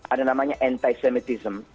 ada namanya anti semitism